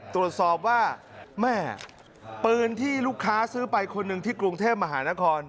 ตรวจสอบว่าแม่ปืนที่ลูกค้าซื้อไปคนหนึ่งที่กรุงเทพมหานคร